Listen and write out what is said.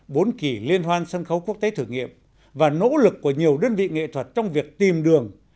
bốn kỳ liên hoan sân khấu quốc tế thử nghiệm và nỗ lực của nhiều đơn vị nghệ thuật trong việc tìm đường